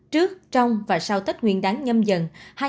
trước trong và sau tết nguyên đán nhâm dần hai nghìn hai mươi hai